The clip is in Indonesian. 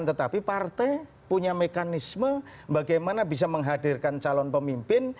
tetapi partai punya mekanisme bagaimana bisa menghadirkan calon pemimpin